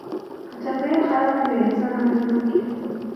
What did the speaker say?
که چاپیریال خراب وي نو انسانان اغېزمن کیږي.